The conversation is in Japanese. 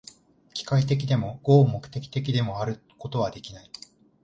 機械的でも、合目的的でもあることはできない。